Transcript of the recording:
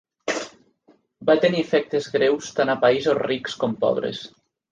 Va tenir efectes greus tant a països rics com pobres.